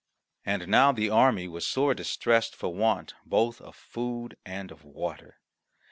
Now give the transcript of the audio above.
And now the army was sore distressed for want both of food and of water.